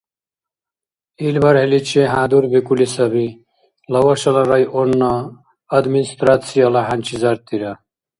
Ил бархӀиличи хӀядурбикӀули саби Лавашала районна Администрацияла хӀянчизартира.